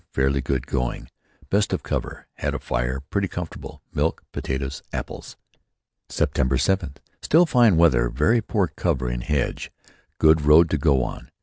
Fairly good going. Best of cover. Had a fire. Pretty comfortable. Milk, potatoes, apples." "September seventh: Still fine weather. Very poor cover in a hedge. Good road to go on.